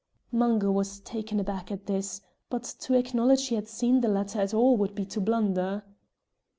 Mungo was taken aback at this, but to acknowledge he had seen the letter at all would be to blunder.